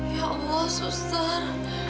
ya allah sustar